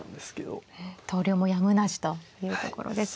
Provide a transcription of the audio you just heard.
投了もやむなしというところですね。